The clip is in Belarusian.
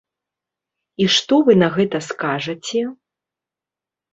І што вы на гэта скажаце?